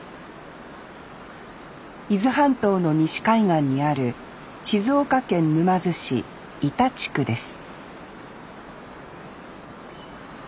伊豆半島の西海岸にある静岡県沼津市井田地区です